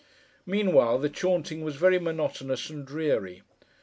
Meanwhile, the chaunting was very monotonous and dreary.